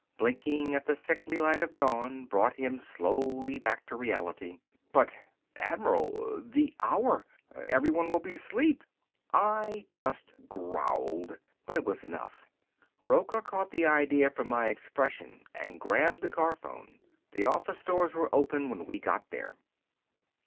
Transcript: Blinking at the sickly light of dawn brought him slowly back to reality. "But ... admiral ... the hour! Everyone will be asleep...." I just growled, but it was enough. Rocca caught the idea from my expression and grabbed the car phone. The office doors were open when we got there.